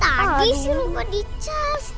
pak tadi sih lupa di charge